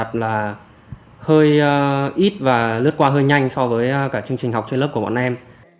thật là hơi ít và lướt qua hơi nhanh so với cả chương trình học trên lớp của bọn em